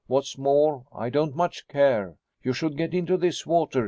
What's more, I don't much care. You should get into this water.